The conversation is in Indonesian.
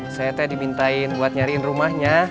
saya teh dimintain buat nyariin rumahnya